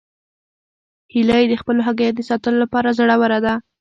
هیلۍ د خپلو هګیو د ساتلو لپاره زړوره ده